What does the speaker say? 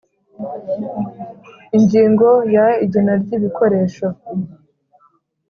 Ingingo ya igena ry ibikoresho